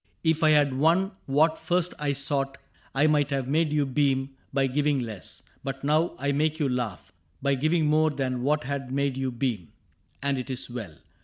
If I had won What first I sought, I might have made you beam By giving less ; but now I make you laugh By giving more than what had made you beam, And it is well.